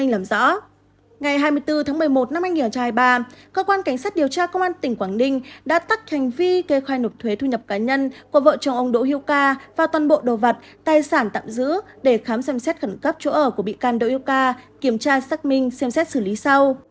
ngày hai mươi bốn tháng một mươi một năm hai nghìn hai mươi ba cơ quan cảnh sát điều tra công an tỉnh quảng ninh đã tắc hành vi kê khai nộp thuế thu nhập cá nhân của vợ chồng ông đỗ hiu ca vào toàn bộ đồ vật tài sản tạm giữ để khám xem xét khẩn cấp chỗ ở của bị can đỗ hữu ca kiểm tra xác minh xem xét xử lý sau